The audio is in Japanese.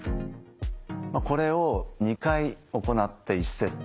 これを２回行って１セット。